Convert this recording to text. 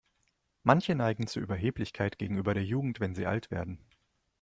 Manche neigen zu Überheblichkeit gegenüber der Jugend, wenn sie alt werden.